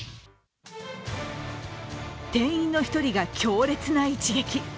店員の１人が強烈な一撃。